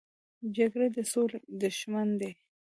جګړه د سولې دښمن دی